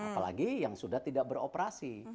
apalagi yang sudah tidak beroperasi